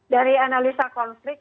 dari analisa konflik